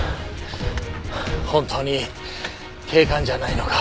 本当に警官じゃないのか？